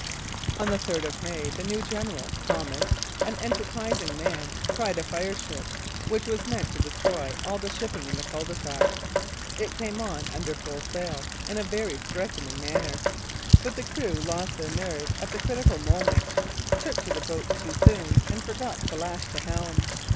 On the 3rd of May the new general, Thomas, an enterprising man, tried a fireship, which was meant to destroy all the shipping in the Cul de Sac. It came on, under full sail, in a very threatening manner. But the crew lost their nerve at the critical moment, took to the boats too soon, and forgot to lash the helm.